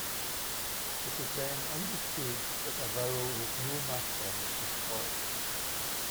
It is then understood that a vowel with no macron is short.